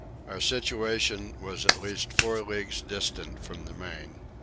Our situation was at least four leagues distant from the main.